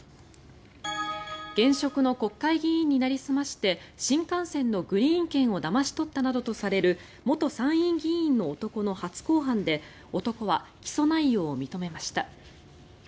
現職の国会議員になりすまして新幹線のグリーン券をだまし取ったなどとされる元参院議員の男の初公判で男は起訴内容を認めました。